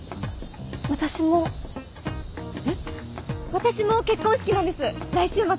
私も結婚式なんです来週末。